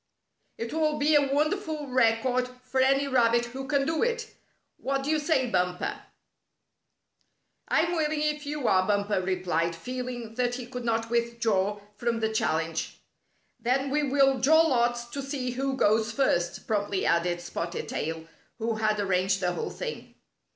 ^'It will be a wonderful record for any rabbit who can do it. What do you say, Bumper? "" I'm willing if you are," Bumper replied, feeling that he could not withdraw from the chal lenge. " Then we will draw lots to see who goes first," promptly added Spotted Tail, who had arranged the whole thing.